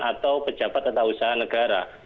atau pejabat tata usaha negara